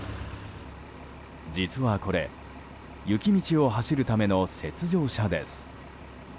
実はこれ雪道を走るための雪上車です。